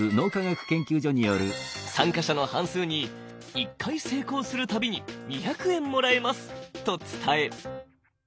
参加者の半数に「１回成功する度に２００円もらえます」と伝え